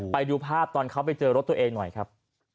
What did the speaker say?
ไปดูภาพตอนเขาไปเจอรถตัวเองหน่อยครับ